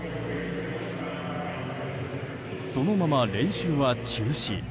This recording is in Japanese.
そのまま練習は中止。